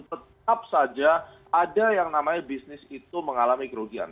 tetap saja ada yang namanya bisnis itu mengalami kerugian